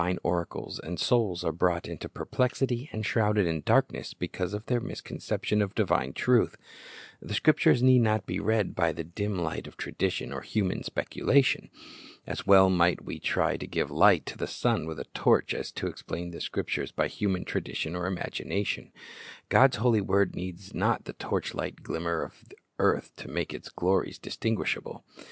Hidden Treasure III oracles, and souls are brought into perplexity and shrouded in darkness because of their misconception of divine truth. The Scriptures need not be read by the dim light of tradition or human speculation. As well might we try to give light to the sun with a torch as to explain the Scriptures by human tradition or imagination. God's holy word needs not the torchlight glimmer of earth to make its glories distinguishable.